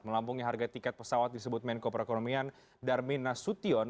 melampungi harga tiket pesawat disebut menkobrakonomian darmina sution